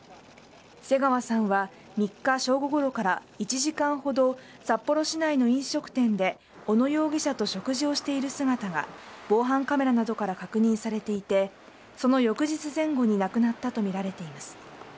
瀬川さんは３日正午ごろから１時間ほど札幌市内の飲食店で小野容疑者と食事をしている姿が防犯カメラなどから確認されていてその翌日前後に亡くなったとみられています。